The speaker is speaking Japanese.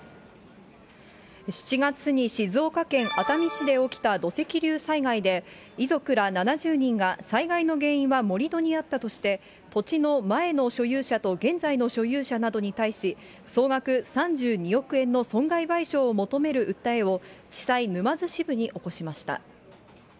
７月に静岡県熱海市で起きた土石流災害で、遺族ら７０人が災害の原因は盛り土にあったとして、土地の前の所有者と現在の所有者などに対し、総額３２億円の損害賠償を求める訴えを、地裁、沼津支部に起こしました。